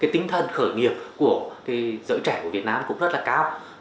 tinh thần khởi nghiệp của giới trẻ của việt nam cũng rất là cao